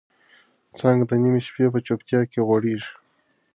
څانګه د نيمې شپې په چوپتیا کې غوړېږي.